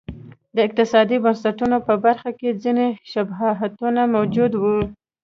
د اقتصادي بنسټونو په برخه کې ځیني شباهتونه موجود و.